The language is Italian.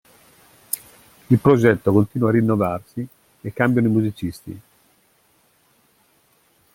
Il progetto continua a rinnovarsi e cambiano i musicisti.